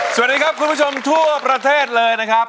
สวัสดีครับคุณผู้ชมทั่วประเทศเลยนะครับ